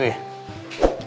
beli sabtu ya